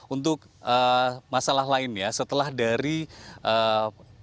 untuk masalah lainnya setelah dari eee